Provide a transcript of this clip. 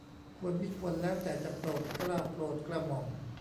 ควรมิควรแล้วแต่จะโปรดเกล้าโปรดกระหม่อม